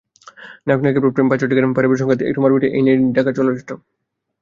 নায়ক-নায়িকার প্রেম, পাঁচ-ছয়টি গান, পারিবারিক সংঘাত, একটু মারপিট—এই নিয়েই ঢাকার চলচ্চিত্র।